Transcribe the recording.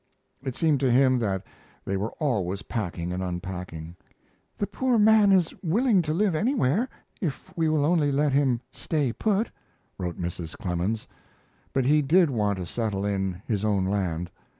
It seemed to him that they were always packing and unpacking. "The poor man is willing to live anywhere if we will only let him 'stay put," wrote Mrs. Clemens, but he did want to settle in his own land.